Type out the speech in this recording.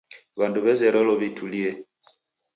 W'andu w'azerelo w'itulie.